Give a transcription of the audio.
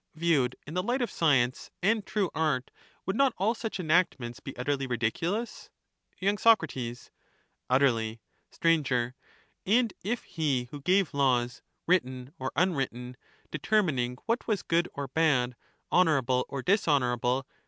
Viewed in the light of stramcbr, science and true art, would not all such enactments be ^^^tks. utterly ridiculous? disregard Y. Sac, Utterly. his former Sir. And if he who gave laws, written or unwritten, deter ^^^"^ mining what was good or bad, honourable or dishonourable, ^.